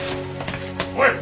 おい！